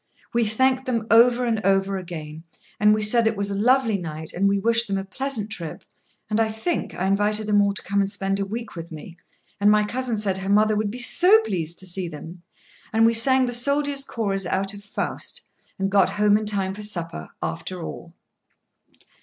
We thanked them over and over again, and we said it was a lovely night, and we wished them a pleasant trip, and, I think, I invited them all to come and spend a week with me, and my cousin said her mother would be so pleased to see them. And we sang the soldiers' chorus out of Faust, and got home in time for supper, after all.